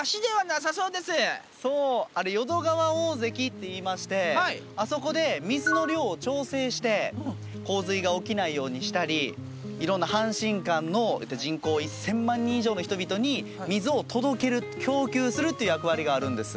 そうあれ淀川大堰っていいましてあそこで水の量を調整して洪水が起きないようにしたりいろんな阪神間の人口１，０００万人以上の人々に水を届ける供給するという役割があるんです。